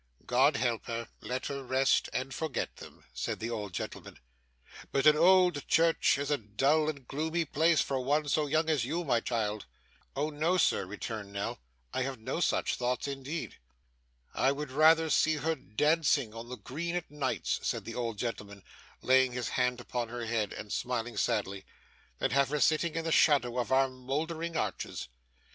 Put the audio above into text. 'God help her. Let her rest, and forget them,' said the old gentleman. 'But an old church is a dull and gloomy place for one so young as you, my child.' 'Oh no, sir,' returned Nell. 'I have no such thoughts, indeed.' 'I would rather see her dancing on the green at nights,' said the old gentleman, laying his hand upon her head, and smiling sadly, 'than have her sitting in the shadow of our mouldering arches.